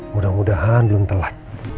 mudah mudahan belum telat